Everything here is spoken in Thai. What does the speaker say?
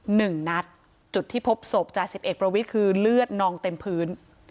หนึ่งนัดจุดที่พบศพจ่าสิบเอกประวิทย์คือเลือดนองเต็มพื้น